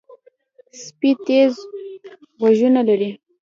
سپي تیز غوږونه لري.